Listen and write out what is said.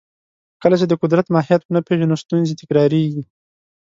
کله چې د قدرت ماهیت ونه پېژنو، ستونزې تکراریږي.